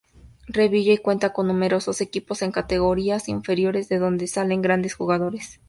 Revilla, y cuenta con numerosos equipos en categorías inferiores de donde salen grandes jugadores.